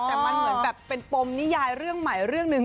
แต่มันเหมือนแบบเป็นปมนิยายเรื่องใหม่เรื่องหนึ่ง